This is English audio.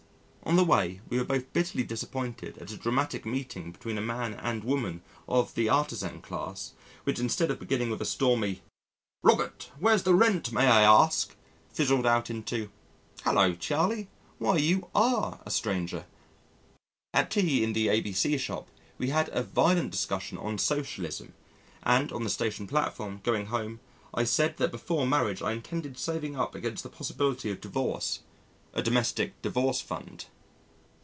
On the way, we were both bitterly disappointed at a dramatic meeting between a man and woman of the artizan class which instead of beginning with a stormy, "Robert, where's the rent, may I ask?" fizzled out into, "Hullo, Charlie, why you are a stranger." At tea in the A.B.C. shop, we had a violent discussion on Socialism, and on the station platform, going home, I said that before marriage I intended saving up against the possibility of divorce a domestic divorce fund.